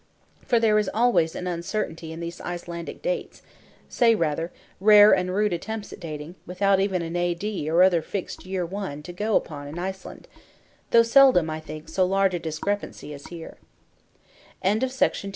For there is always an uncertainty in these Icelandic dates (say rather, rare and rude attempts at dating, without even an "A.D." or other fixed "year one" to go upon in Iceland), though seldom, I think, so large a discrepancy as here. CHAPTER V. HAKON JARL.